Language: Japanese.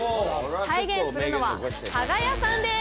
再現するのはかが屋さんです。